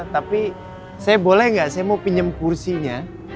tapi saya boleh gak saya mau pinjem kursinya